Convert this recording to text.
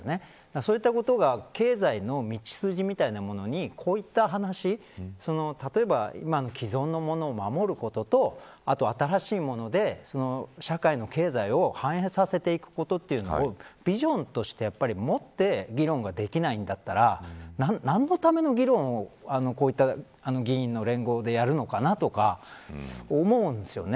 そういったことが経済の道筋みたいなものにこういった話例えば、今の既存のものを守ることとあとは新しいもので社会の経済を反映させていくことというのをビジョンとして持って議論ができないんだったら何のための議論をこういった議員の連合でやるのかなとか思うんですよね。